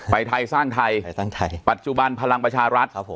ไทยสร้างไทยปัจจุบันพลังประชารัฐครับผม